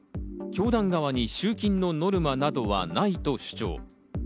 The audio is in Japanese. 教団側に集金のノルマなどはないと主張。